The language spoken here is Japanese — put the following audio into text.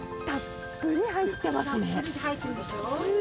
たっぷり入ってるでしょ？